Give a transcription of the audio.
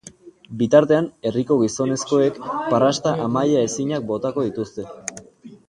Bitartean, herriko gizonezkoek parrasta amai ezinak botako dituzte.